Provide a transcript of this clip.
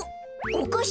おかし？